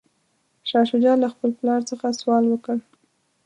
شاه شجاع له خپل پلار څخه سوال وکړ.